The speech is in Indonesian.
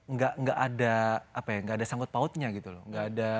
nggak ada apa ya nggak ada sangkut pautnya gitu loh